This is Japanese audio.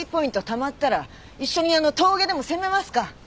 たまったら一緒に峠でも攻めますか？